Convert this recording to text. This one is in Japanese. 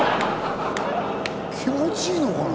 気持ちいいのかな？